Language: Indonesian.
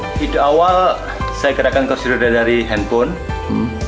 hidup awal saya gerakan kursi roda dari handphone